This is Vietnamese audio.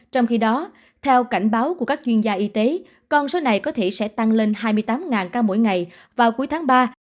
trong khi đó theo cảnh báo của các chuyên gia y tế con số này có thể sẽ tăng lên hai mươi tám ca mỗi ngày vào cuối tháng ba